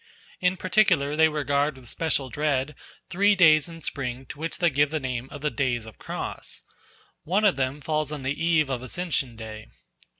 In particular they regard with special dread three days in spring to which they give the name of Days of the Cross; one of them falls on the Eve of Ascension Day.